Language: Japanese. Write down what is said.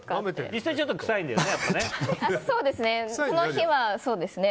実際ちょっと臭いんだろうね。